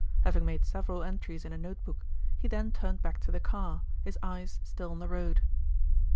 Having made several entries in a note book, he then turned back to the car, his eyes still on the road.